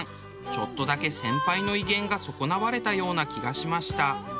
ちょっとだけ先輩の威厳が損なわれたような気がしました。